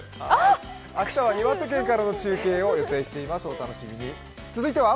明日は岩手県からの中継を予定しています、お楽しみに。